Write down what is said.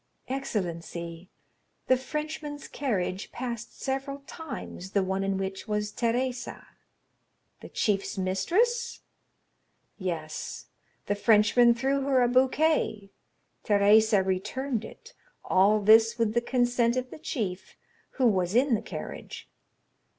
"Excellency, the Frenchman's carriage passed several times the one in which was Teresa." "The chief's mistress?" "Yes. The Frenchman threw her a bouquet; Teresa returned it—all this with the consent of the chief, who was in the carriage."